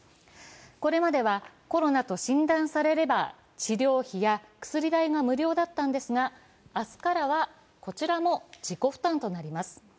これまではコロナと診断されれば治療費や薬代が無料だったんですが、明日からはこちらも自己負担となります。